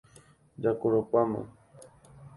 Jakarupáma.